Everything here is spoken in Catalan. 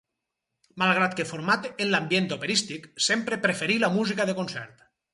Malgrat que format en l'ambient operístic, sempre preferí la música de concert.